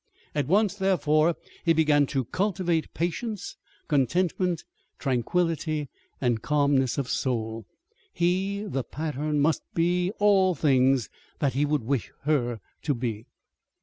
At once, therefore, he must begin to cultivate patience, contentment, tranquillity, and calmness of soul. He, the pattern, must be all things that he would wish her to be.